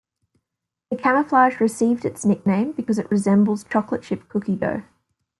The camouflage received its nickname because it resembles chocolate-chip cookie dough.